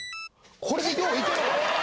これでよういける。